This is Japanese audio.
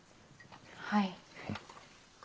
はい。